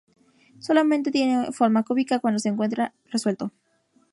Solamente tiene forma cúbica cuando se encuentra resuelto.